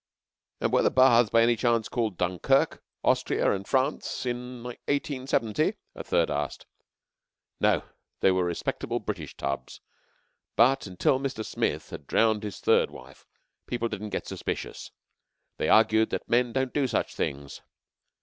"And were the baths by any chance called Denmark, Austria, and France in 1870?" a third asked. "No, they were respectable British tubs. But until Mr. Smith had drowned his third wife people didn't get suspicious. They argued that 'men don't do such things.'